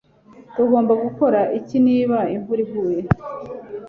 Tugomba gukora iki niba imvura iguye